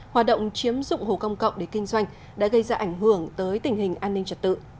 hoạt động chiếm dụng hồ công cộng để kinh doanh đã gây ra ảnh hưởng tới tình hình an ninh trật tự